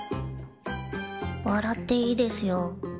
わらっていいですよ。